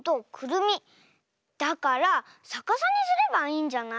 だからさかさにすればいいんじゃない？